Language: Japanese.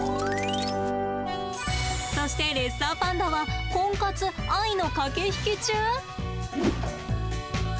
そしてレッサーパンダはコンカツ愛の駆け引き中。